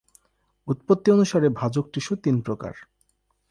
উৎপত্তি অনুসারে ভাজক টিস্যু তিন প্রকার।